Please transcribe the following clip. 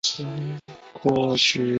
可允许编辑与修改条目。